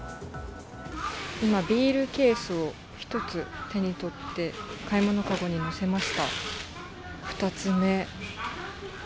今、ビールケースを１つ、手に取って、買い物籠に載せました。